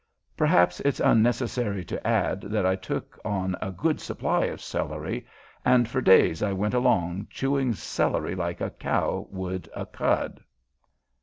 Perhaps it's unnecessary to add that I took on a good supply of celery, and for days I went along chewing celery like a cow would a cud.